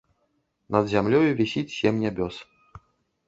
Над зямлёю вісіць сем нябёс.